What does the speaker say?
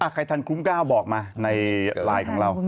ใครทันคุ้มก้าวบอกมาในไลน์ของเรา